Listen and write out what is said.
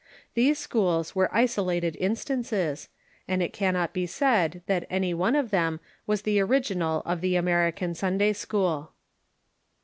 These schools were isolated instances, and it cannot be said that any one of them was the original of the American Sunday school.